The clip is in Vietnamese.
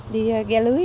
đi ghe lưới đó